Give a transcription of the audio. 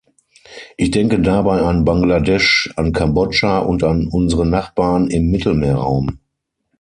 Ich denke dabei an Bangladesch, an Kambodscha und an unsere Nachbarn im Mittelmeerraum.